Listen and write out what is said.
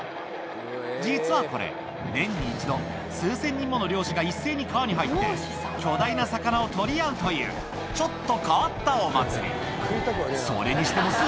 実はこれ、年に１度、数千人もの漁師が一斉に川に入って、巨大な魚を取り合うという、ちょっと変わったお祭り。